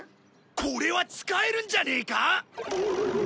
これは使えるんじゃねえか？